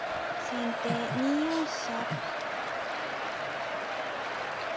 先手２八飛車。